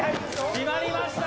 決まりました！